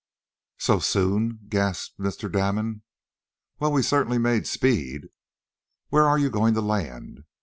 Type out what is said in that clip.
"So soon?" gasped Mr. Damon. "Well, we certainly made speed! Where are you going to land?"